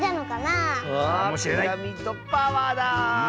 あピラミッドパワーだ！